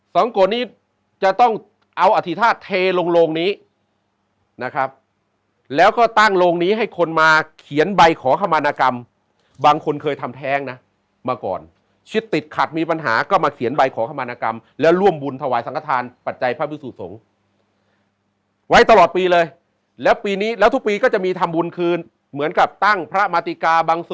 โกนี้จะต้องเอาอธิษฐาตุเทลงโลงนี้นะครับแล้วก็ตั้งโรงนี้ให้คนมาเขียนใบขอขมานกรรมบางคนเคยทำแท้งนะมาก่อนชิดติดขัดมีปัญหาก็มาเขียนใบขอขมานกรรมแล้วร่วมบุญถวายสังขทานปัจจัยพระพิสุสงฆ์ไว้ตลอดปีเลยแล้วปีนี้แล้วทุกปีก็จะมีทำบุญคืนเหมือนกับตั้งพระมาติกาบังส